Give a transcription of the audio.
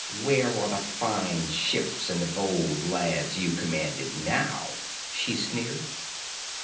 "Where are the fine ships and the bold lads you commanded, now?" she sneered.